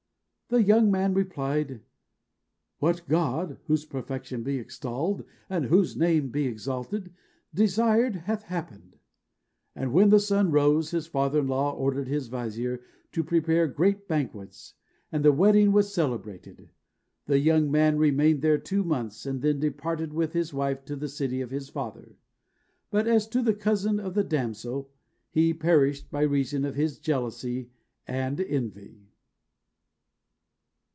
The young man replied, "What God (whose perfection be extolled, and whose name be exalted!) desired hath happened." And when the sun rose, his father in law ordered his vizier to prepare great banquets, and the wedding was celebrated; the young man remained there two months, and then departed with his wife to the city of his father. But as to the cousin of the damsel, he perished by reason of his jealousy and envy.